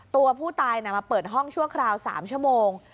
ตัวผู้ตายมาเปิดห้องชั่วคราว๓ชั่วโมง